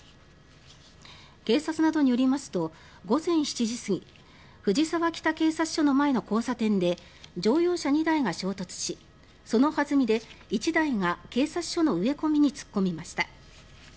警察などによりますと午前７時過ぎ藤沢北警察署の前の交差点で乗用車２台が衝突しその弾みで１台が警察署の植え込みに突っ込みました。